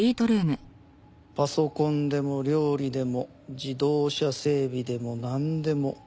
パソコンでも料理でも自動車整備でもなんでも。